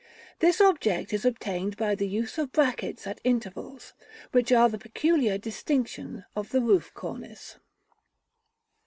This object is obtained by the use of brackets at intervals, which are the peculiar distinction of the roof cornice.